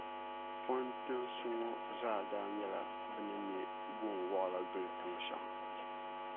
Fɔntinsi ŋɔ zaa daa nyɛla bɛ ni me goon’ wɔɣila gili tin’ shɛŋa.